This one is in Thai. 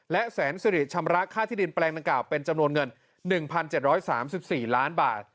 และแสนสิริชำระค่าที่ดินแปลงดังกล่าวเป็นจำนวนเงิน๑๗๓๔ล้านบาท